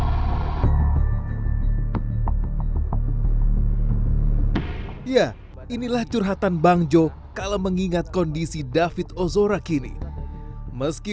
ya inilah curhatan bang jo kalau mengingat kondisi david ozora kini meski